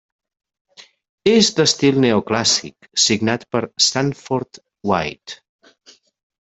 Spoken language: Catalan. És d'estil neoclàssic signat per Stanford White.